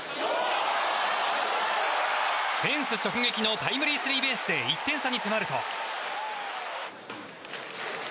フェンス直撃のタイムリースリーベースで１点差に迫ると。